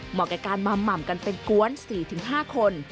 เหมาะกันการบำกันเป็นก๊วน๔๕คน